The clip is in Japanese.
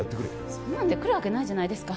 そんなんで来るわけないじゃないですか